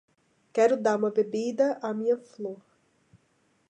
Quero dar uma bebida à minha flor.